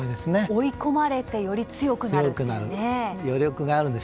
追い込まれてより強くなるというね。